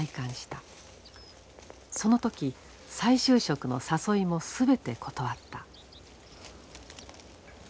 その時再就職の誘いも全て断った。